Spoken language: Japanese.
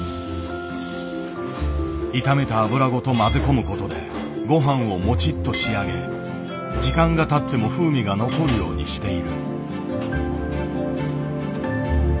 炒めた油ごと混ぜ込むことでごはんをモチッと仕上げ時間がたっても風味が残るようにしている。